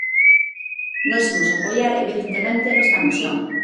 Nós imos apoiar, evidentemente, esta moción.